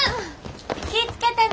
気ぃ付けてな！